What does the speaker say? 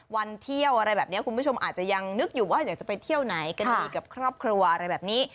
วันเที่ยวอะไรแบบนี้คุณผู้ชมอาจจะยังนึกอยู่ว่าอยากจะไปเที่ยวไหนกันดีกับครอบครัวอะไรแบบนี้